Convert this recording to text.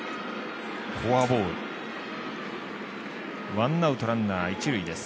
ワンアウト、ランナー、一塁です。